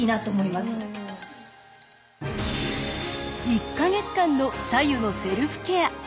１か月間の白湯のセルフケア。